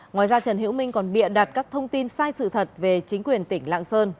ngoài ra trần hiễu minh còn bịa đặt các thông tin sai sự thật về chính quyền tỉnh lạng sơn